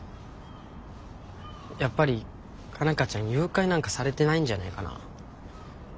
やっぱり佳奈花ちゃん誘拐なんかされてないんじゃないかな？